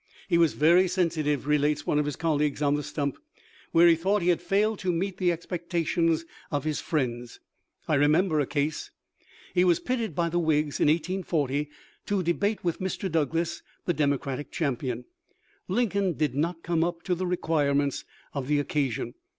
" He was very sensi tive," relates one of his colleagues on the stump, " where he thought he had failed to meet the expec tations of his friends. I remember. a case. He was pitted by the Whigs in 1840 to debate with Mr. Douglas, the Democratic champion. Lincoln did not come up to the requirements of the occasion.